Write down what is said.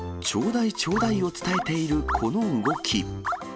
ちょうだいちょうだいを伝えているこの動き。